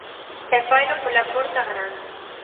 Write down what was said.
E faino pola porta grande.